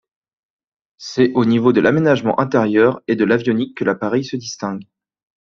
C'est au niveau de l'aménagement intérieur et de l'avionique que l'appareil se distingue.